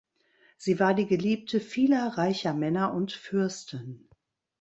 Sie war die Geliebte vieler reicher Männer und Fürsten.